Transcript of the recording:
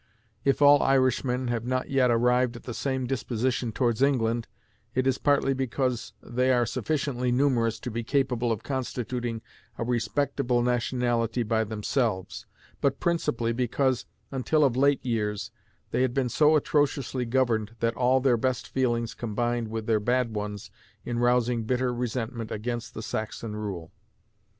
If all Irishmen have not yet arrived at the same disposition towards England, it is partly because they are sufficiently numerous to be capable of constituting a respectable nationality by themselves, but principally because, until of late years, they had been so atrociously governed that all their best feelings combined with their bad ones in rousing bitter resentment against the Saxon rule.